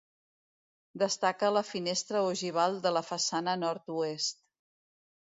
Destaca la finestra ogival de la façana nord-oest.